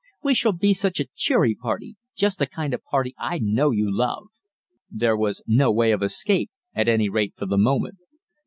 "We shall be such a cheery party just the kind of party I know you love." There was no way of escape, at any rate for the moment.